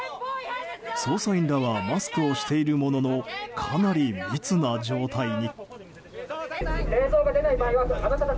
捜査員らはマスクをしているもののかなり密な状態に。